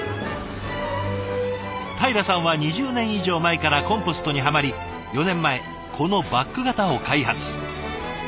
たいらさんは２０年以上前からコンポストにハマり４年前このバッグ型を開発。